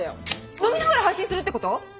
飲みながら配信するってこと！？